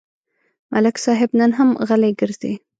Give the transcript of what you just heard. ملک صاحب نن هم غلی ګرځي.